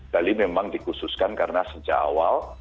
bali memang dikhususkan karena sejak awal